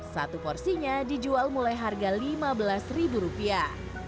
satu porsinya dijual mulai harga lima belas ribu rupiah